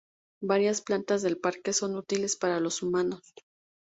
Varias plantas del parque son útiles para los humanos.